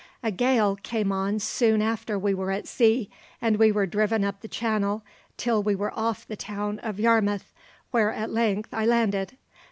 A gale came on soon after we were at sea, and we were driven up the Channel till we were off the town of Yarmouth, where at length I landed.